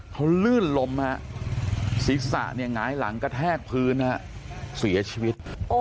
เขาลื่นล้มฮะศีรษะเนี่ยหงายหลังกระแทกพื้นนะฮะเสียชีวิต